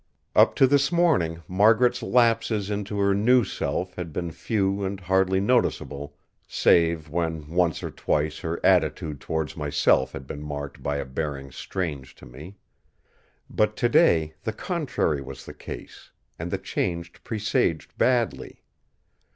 Up to this morning Margaret's lapses into her new self had been few and hardly noticeable, save when once or twice her attitude towards myself had been marked by a bearing strange to me. But today the contrary was the case; and the change presaged badly.